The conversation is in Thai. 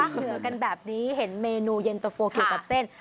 เหนือกันแบบนี้เห็นเมนูเย็นตะโฟเกี่ยวกับเส้น